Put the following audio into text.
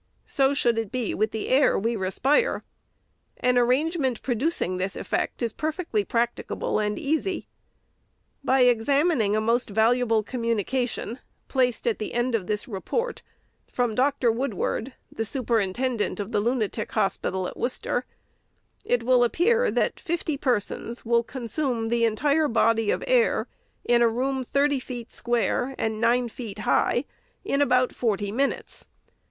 So should it be with the air we respire. An arrangement producing this effect is perfectly practicable and easy. By examining a most valuable communication, placed at the end of this report, from Dr. Woodward, the Superintendent of the Lunatic Hospital at Worcester, it will appear, that fifty persons will consume the entire body of air in a room, thirty feet square and nine feet high, in about forty minutes.